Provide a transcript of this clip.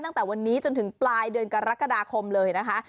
ตั้งแต่วันนี้จนถึงปลายเดือนกรกฎาคมเลยนะคะ